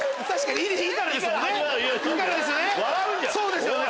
そうですよね。